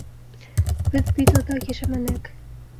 Беҙ бит оҙаҡ йәшәмәнек.